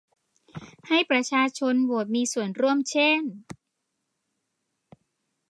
ให้ประชาชนโหวดมีส่วนร่วมเช่น